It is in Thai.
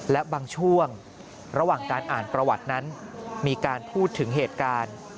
และบางช่วงระหว่างการอ่านประวัตินั้นมีการพูดถึงเหตุการณ์